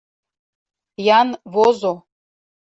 Ян возо.